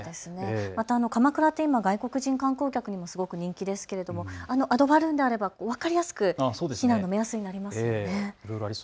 また鎌倉は外国人観光客にも人気ですがアドバルーンがあれば分かりやすく避難の目安になりますよね。